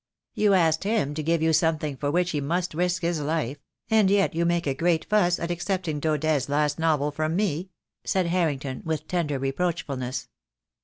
"You asked him to give you something for which he must risk his life, and yet you make a great fuss at ac cepting Daudet's last novel from me," said Harrington, with tender reproachfulness.